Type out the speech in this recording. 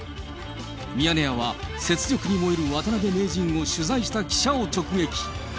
ミヤネ屋は、雪辱に燃える渡辺名人を取材した記者を直撃。